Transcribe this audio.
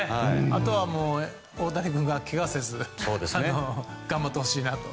あとは、大谷君がけがせずに頑張ってほしいなと。